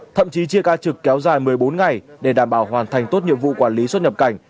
thậm chí chia ca trực kéo dài một mươi bốn ngày để đảm bảo hoàn thành tốt nhiệm vụ quản lý xuất nhập cảnh